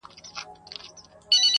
راسه دروې ښيم.